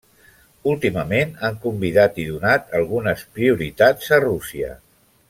Últimament han convidat i donat algunes prioritats a Rússia.